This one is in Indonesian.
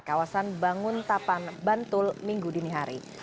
kawasan bangun tapan bantul minggu dinihari